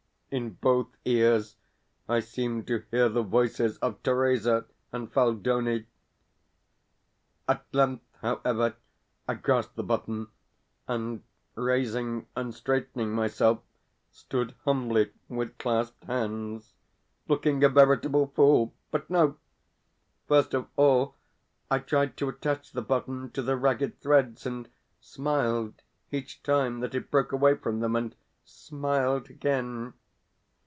In both ears I seemed to hear the voices of Theresa and Phaldoni. At length, however, I grasped the button, and, raising and straightening myself, stood humbly with clasped hands looking a veritable fool! But no. First of all I tried to attach the button to the ragged threads, and smiled each time that it broke away from them, and smiled again.